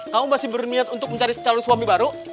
kamu masih berniat untuk mencari calon suami baru